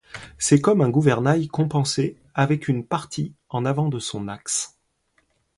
C'est comme un gouvernail compensé avec une partie en avant de son axe.